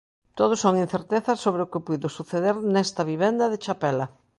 Todo son incertezas sobre o que puido suceder nesta vivenda de Chapela.